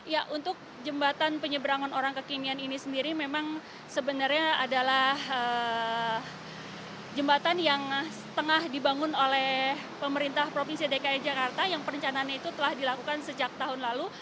ya untuk jembatan penyeberangan orang kekinian ini sendiri memang sebenarnya adalah jembatan yang tengah dibangun oleh pemerintah provinsi dki jakarta yang perencanaannya itu telah dilakukan sejak tahun lalu